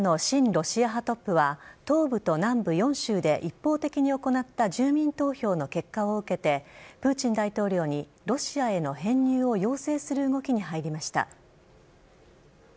ロシア派トップは東部と南部４州で一方的に行った住民投票の結果を受けてプーチン大統領にロシアへの編入を要請する動きに入りました。